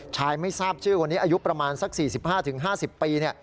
ไม่ทราบชื่อคนนี้อายุประมาณสัก๔๕๕๐ปี